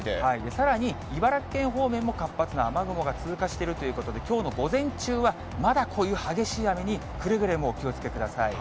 さらに茨城県方面も活発な雨雲が柱化しているということで、午前中はまだこういう激しい雨にくれぐれもお気をつけください。